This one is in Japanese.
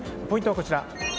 ポイントはこちら。